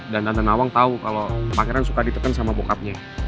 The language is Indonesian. dan tante nawang tau kalau pangeran suka diteken sama bokapnya